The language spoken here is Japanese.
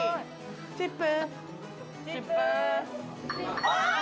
チップ。